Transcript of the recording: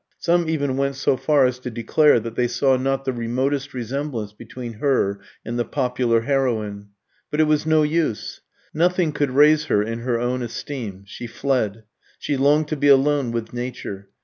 Some even went so far as to declare that they saw not the remotest resemblance between her and the popular heroine. But it was no use. Nothing could raise her in her own esteem. She fled. She longed to be alone with Nature.